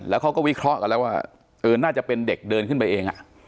แล้วเขาก็วิเคราะห์กันแล้วว่าน่าจะเป็นเด็กเดินขึ้นไปเอง